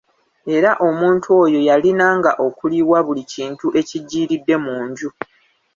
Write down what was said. Era omuntu oyo yalinanga okuliwa buli kintu ekiggyiiridde mu nju.